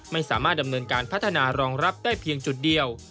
ไม่สามารถดำเนินการพัฒนารองรับได้เพียงจุดเดียว